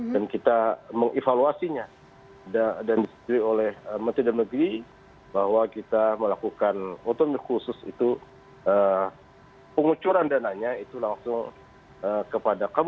dan kita mengevaluasinya dan disediakan oleh menteri dan negeri bahwa kita melakukan otonomi khusus itu pengucuran dananya itu langsung kepadanya